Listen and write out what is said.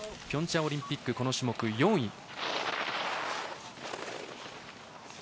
ピョンチャンオリンピックこの種目、４位。